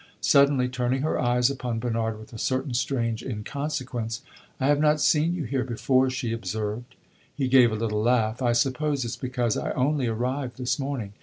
Suddenly, turning her eyes upon Bernard with a certain strange inconsequence "I have not seen you here before," she observed. He gave a little laugh. "I suppose it 's because I only arrived this morning.